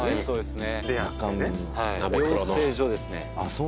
養成所ですねはい。